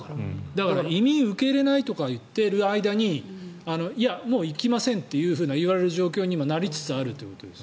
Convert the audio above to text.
だから、移民を受け入れないとか言っている間にいや、もう行きませんといわれる状況になりつつあるということです。